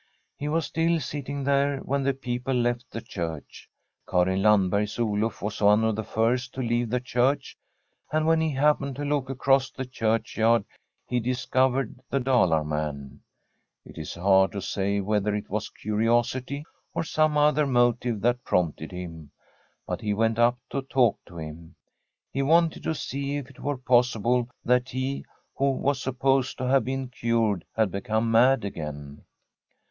He was still sitting there when the people left the church. Karin Landberg's Oluf was one of the first to leave the church, and when he happened to look across the churchyard he discovered the Dalar man. It is hard to say whether it was curiosity Or some other motive that prompted him, but he went up to talk to him. He wanted to see if it were possible that he who was supposed to have been cured had become mad again.